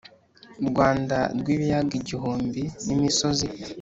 rwanda rw’ibiyaga igihumbi nimisozi